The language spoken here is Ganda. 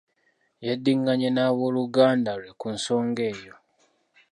Yaddinganye n'aboluganda lwe ku nsonga eyo.